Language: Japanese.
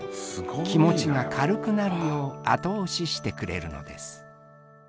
気持ちが軽くなるよう後押ししてくれるのです。